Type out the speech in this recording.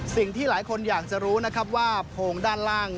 สิ่งที่หลายคนอยากจะรู้นะครับว่าโพงด้านล่าง